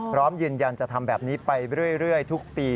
พร้อมยืนยันจะทำแบบนี้ไปเรื่อยทุกปี